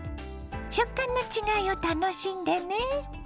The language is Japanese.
食感の違いを楽しんでね。